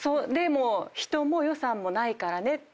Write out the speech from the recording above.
人も予算もないからねって言われて。